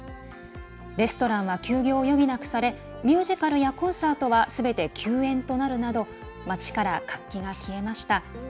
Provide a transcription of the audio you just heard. レストランは休業を余儀なくされミュージカルやコンサートはすべて休演となるなど街から活気が消えました。